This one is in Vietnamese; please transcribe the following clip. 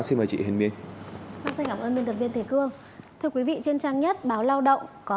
xin mời chị hình minh xin cảm ơn biên tập viên thầy cương thưa quý vị trên trang nhất báo lao động có